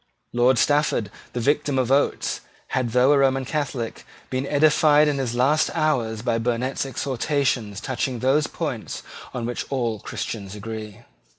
Lord Stafford, the victim of Oates, had, though a Roman Catholic, been edified in his last hours by Burnet's exhortations touching those points on which all Christians agree.